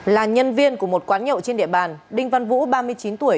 là nhân viên của một quán nhậu trên địa bàn đinh văn vũ ba mươi chín tuổi